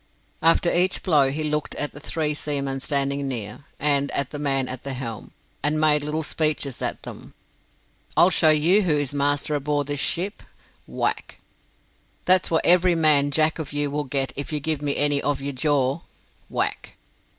After each blow he looked at the three seamen standing near, and at the man at the helm, and made little speeches at them. "I'll show you who is master aboard this ship." Whack! "That's what every man Jack of you will get if you give me any of your jaw." Whack!